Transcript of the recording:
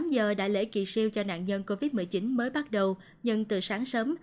tám giờ đại lễ kỳ siêu cho nạn nhân covid một mươi chín mới bắt đầu nhưng từ sáng sớm